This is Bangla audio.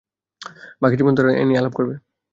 বাকি জীবন ধরে তারা এ নিয়েই আলাপ করবে।